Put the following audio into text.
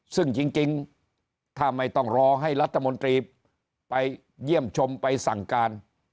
ซึ่งจริงถ้าไม่ต้องรอให้รัฐมนตรีไปเยี่ยมชมไปสั่งการ